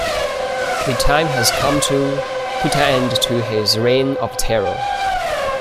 The time has come to put an end to his reign of terror.